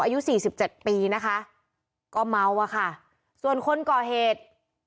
อายุสี่สิบเจ็ดปีนะคะก็เมาอะค่ะส่วนคนก่อเหตุ